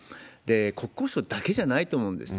国交省だけじゃないと思うんです。